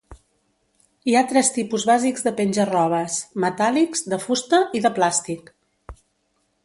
Hi ha tres tipus bàsics de penja-robes: metàl·lics, de fusta i de plàstic.